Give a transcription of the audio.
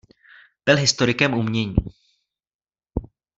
Byl historikem umění.